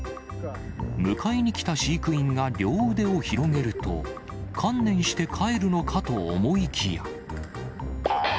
迎えにきた飼育員が両腕を広げると、観念して帰るのかと思いきや。